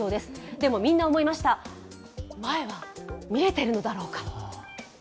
でもみんな思いました、前は見えているんだろうか。